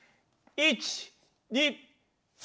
１２３！